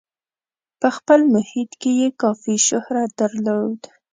په خپل محیط کې یې کافي شهرت درلود.